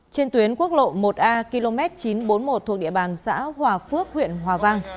trên tuyến quốc lộ một a km chín trăm bốn mươi một thuộc địa bàn xã hòa phước huyện hòa vang